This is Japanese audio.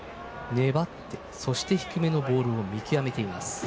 粘って、そして低めのボールを見極めています。